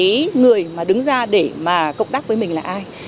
cái người mà đứng ra để mà cộng tác với mình là ai